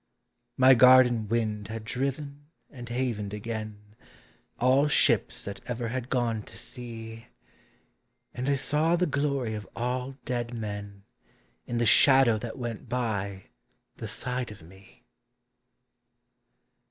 My garden wind had driven and havened again All ships that ever had gone to sea, And I saw the glory of all dead men In the shadow that went by the side of me.